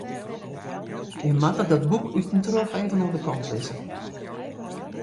Je moatte dat boek út en troch even oan de kant lizze.